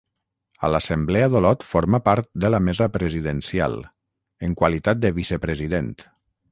A l'Assemblea d'Olot formà part de la Mesa Presidencial, en qualitat de vicepresident.